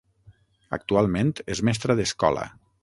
Actualment és mestra d'escola.